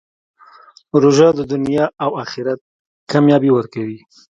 روژه د دنیا او آخرت کامیابي ورکوي.